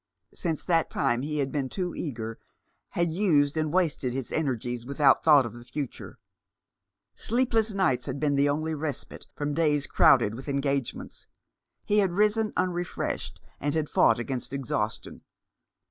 Since that time he had been too eager — had used and wasted his energies without thought of the future. Sleepless nights had been the only respite from days crowded with engage ments. He had risen unrefreshed, and had fought against exhaustion.